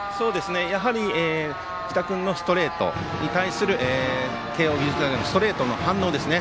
やはり、仁田君のストレートに対する慶応義塾のストレートの反応ですね。